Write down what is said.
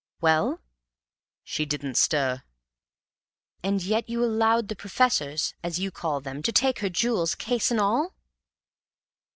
"Well?" "She didn't stir." "And yet you allowed the professors, as you call them, to take her jewels, case and all!"